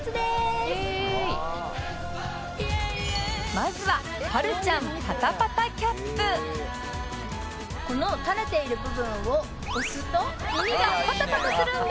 まずはこの垂れている部分を押すと耳がパタパタするんです。